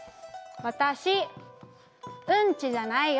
「わたしうんちじゃないよ」。